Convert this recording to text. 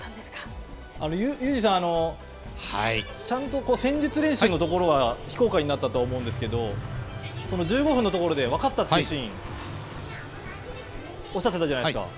佑二さん、ちゃんと戦術練習のところは非公開になったと思うんですけれども、１５分のところで分かったというシーン、おっしゃってたじゃないですか。